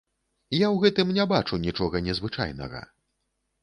Я ў гэтым не бачу нічога незвычайнага.